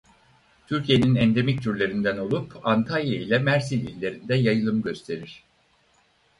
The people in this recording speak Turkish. Türkiye'nin endemik türlerinden olup Antalya ile Mersin illerinde yayılım gösterir.